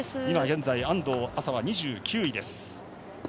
今現在安藤麻は２９位です。